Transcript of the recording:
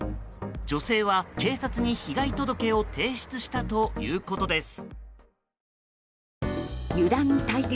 女性は、警察に被害届を提出したということです。